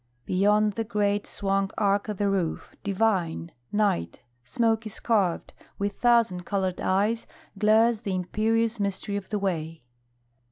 Beyond the great swung arc o' the roof, divine, Night, smoky scarv'd, with thousand coloured eyes Glares the imperious mystery of the way.